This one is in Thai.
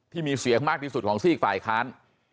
ที่มีเสียงมากที่สุดของซีกฝ่ายค้าน